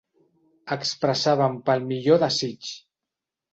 Expressaven pel millor desig.